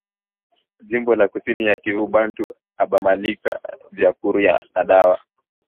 Jimbo la kusini ya kivu bantu abalimaki bya kurya na dawa